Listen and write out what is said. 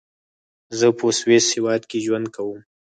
زۀ پۀ سويس هېواد کې ژوند کوم.